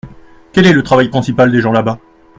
Quel est le travail principal des gens là-bas ?